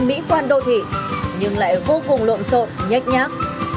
mỹ quan đô thị nhưng lại vô cùng lộn xộn nhách nhác